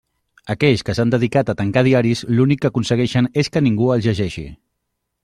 Aquells que s'han dedicat a tancar diaris l'únic que aconsegueixen és que ningú els llegeixi.